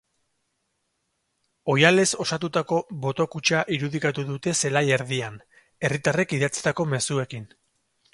Oihalez osatutako boto-kutxa irudikatu dute zelai erdian, herritarrek idatzitako mezuekin.